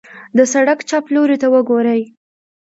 د سړک چپ لورته وګورئ.